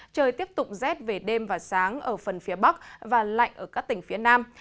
trời tiếp tục rét về đêm và sáng ở phần phía bắc và lạnh ở các tỉnh phía nam